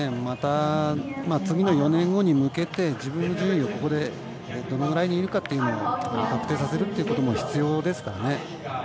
また、次の４年後に向けて自分の順位をここでどのぐらいにいるかというのを確定させるということも必要ですからね。